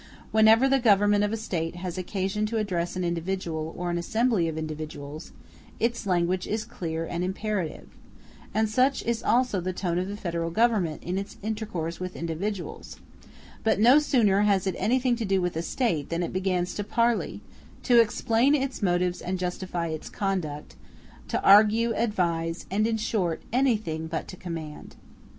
Whenever the government of a State has occasion to address an individual or an assembly of individuals, its language is clear and imperative; and such is also the tone of the Federal Government in its intercourse with individuals, but no sooner has it anything to do with a State than it begins to parley, to explain its motives and to justify its conduct, to argue, to advise, and, in short, anything but to command.